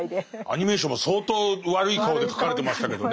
アニメーションも相当悪い顔で描かれてましたけどね。